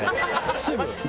すぐ。